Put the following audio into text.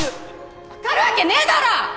わかるわけねぇだろ！